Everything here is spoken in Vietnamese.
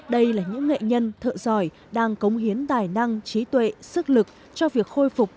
đây là những nghệ nhân thợ giỏi đang cống hiến tài năng trí tuệ sức lực cho việc khôi phục